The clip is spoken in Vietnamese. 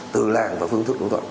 từ làng và phương thức